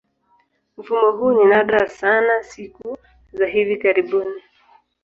Mfumo huu ni nadra sana siku za hivi karibuni.